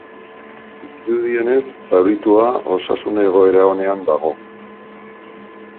Dirudienez zauritua osasun egoera onean dago.